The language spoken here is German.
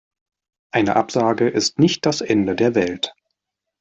Eine Absage ist nicht das Ende der Welt.